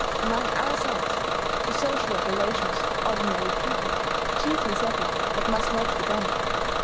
Among ourselves, the social regulations for ordinary people chiefly settle what must not be done.